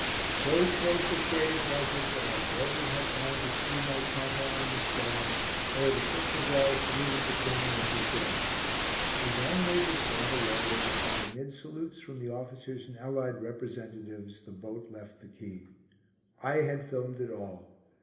So close a shave was it that I barely had time to screw my camera on the stand ere the Prince of Wales saluted the King and went ashore. The gangway was drawn away and, amid salutes from the officers and allied representatives, the boat left the quay. I had filmed it all.